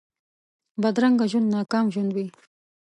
بدرنګه ژوند ناکام ژوند وي